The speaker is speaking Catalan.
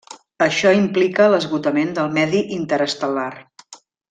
Això implica l'esgotament del medi interestel·lar.